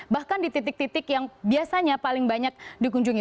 bahkan di titik titik yang biasanya paling banyak dikunjungi